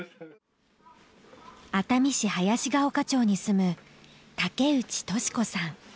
熱海市林ガ丘町に住む武内トシ子さん。